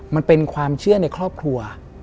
มันเป็นความเชื่อในครอบครัว